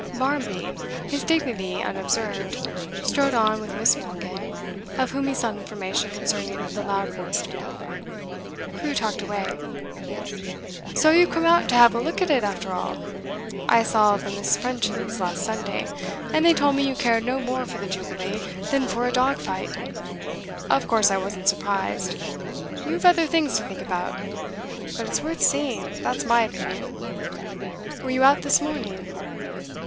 Barmby, his dignity unobserved, strode on with Miss. Morgan, of whom he sought information concerning the loud voiced man. Crewe talked away. 'So you've come out to have a look at it, after all. I saw the Miss Frenches last Sunday, and they told me you cared no more for the Jubilee than for a dog fight. Of course I wasn't surprised; you've other things to think about. But it's worth seeing, that's my opinion. Were you out this morning?